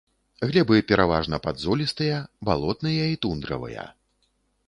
Глебы пераважна падзолістыя, балотныя і тундравыя.